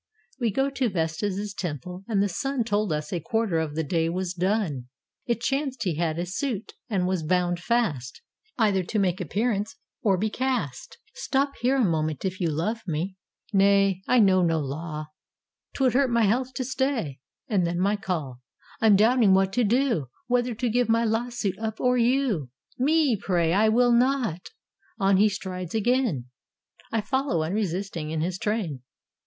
We got to Vesta's temple, and the sun Told us a quarter of the day was done. It chanced he had a suit, and was bound fast Either to make appearance or be cast. 407 ROME "Stop here a moment, if you love me." "Nay; I know no law: 't would hurt my health to stay, And then my call." "I'm doubting what to do, Whether to give my lawsuit up or you." "Me, pray!" "I will not." On he strides again: I follow, unresisting, in his train.